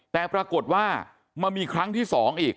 แต่ปรากฏว่ามันมีครั้งที่๒อีก